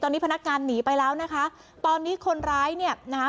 ตอนนี้พนักงานหนีไปแล้วนะคะตอนนี้คนร้ายเนี่ยนะคะ